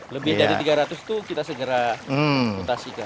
lebih dari tiga ratus itu kita segera mutasikan